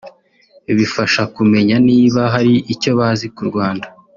bifasha kumenya niba hari icyo bazi ku Rwanda